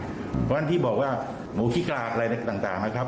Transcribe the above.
เพราะฉะนั้นที่บอกว่าหมูขี้กลางอะไรต่างนะครับ